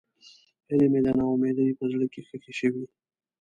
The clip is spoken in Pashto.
هیلې مې د نا امیدۍ په زړه کې ښخې شوې.